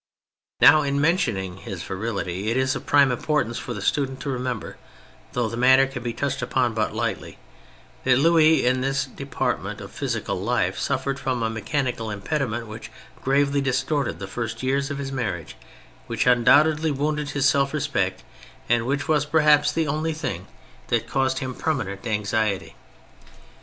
Now in mentioning his virility, it is of prime importance for the student to remem ber, though the matter can be touched upon but lightly, that Louis, in this department of physical life, suffered from a mechanical impediment which gravely distorted the first years of his marriage, which undoubtedly wounded his self respect, and which was perhaps the only thing that caused him per 42 THE FRENCH REVOLUTION manent anxiety.